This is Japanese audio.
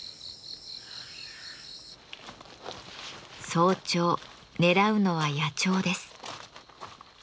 早朝ねらうのは野鳥です。